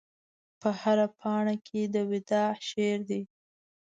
په هره پاڼه کې د وداع شعر دی